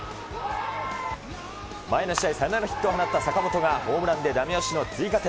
前の試合、サヨナラヒットを放った坂本が、ホームランでだめ押しの追加点。